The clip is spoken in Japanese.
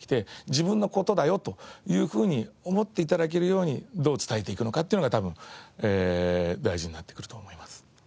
自分の事だよというふうに思って頂けるようにどう伝えていくのかっていうのが多分大事になってくると思います。